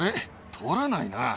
取らないな。